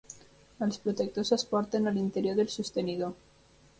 Els protectors es porten a l'interior del sostenidor.